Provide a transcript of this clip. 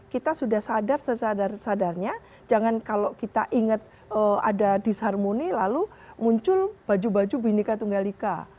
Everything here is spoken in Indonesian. kita sudah sadar sesadar sadarnya jangan kalau kita ingat ada disharmoni lalu muncul baju baju binika tunggal ika